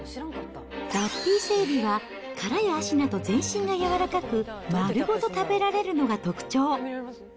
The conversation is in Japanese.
脱皮伊勢海老は、殻や脚など全身が軟らかく、軟らかく、丸ごと食べられるのが特徴。